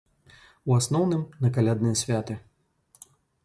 У асноўным на калядныя святы.